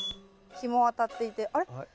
日も当たっていてあれ？